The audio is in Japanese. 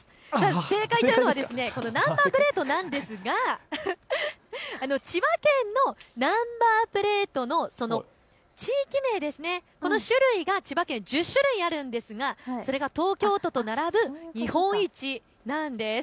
正解はナンバープレートなんですが千葉県のナンバープレートの地域名、この種類が千葉県、１０種類あるんですがそれが東京都と並ぶ日本一なんです。